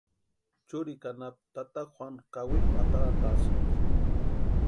Churikwa anapu tata Juanu kawikwa atarantʼasïnti.